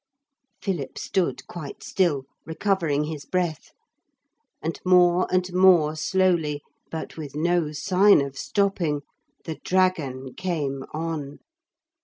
Philip stood quite still, recovering his breath. And more and more slowly, but with no sign of stopping, the dragon came on.